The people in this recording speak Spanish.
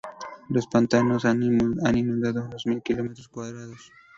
Los pantanos han inundado unos mil kilómetros cuadrados.